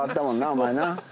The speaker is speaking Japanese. お前な。